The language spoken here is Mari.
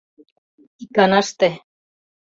Иканаште